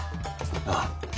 ああ。